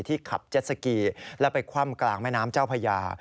ที่ขับแจ็ดสกีและไปคว่ำกลางไม้น้ำเจ้าภรรยา